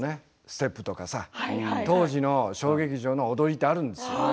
ステップとか当時の小劇場の踊りがあるんですよ。